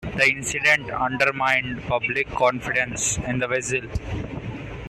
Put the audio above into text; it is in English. The incident undermined public confidence in the vessel.